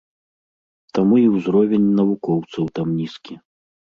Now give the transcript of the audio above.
Таму і ўзровень навукоўцаў там нізкі.